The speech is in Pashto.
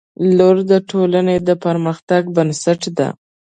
• لور د ټولنې د پرمختګ بنسټ ده.